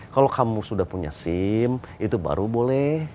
kalau kamu sudah punya sim itu baru boleh